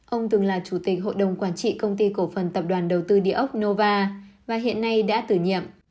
ông từng là chủ tịch hội đồng quản trị công ty cổ phần tập đoàn đầu tư địa ốc nova và hiện nay đã tử nhiệm